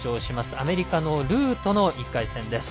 アメリカのルーとの１回戦です。